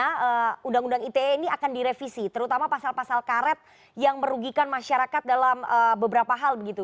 karena undang undang ite ini akan direvisi terutama pasal pasal karet yang merugikan masyarakat dalam beberapa hal begitu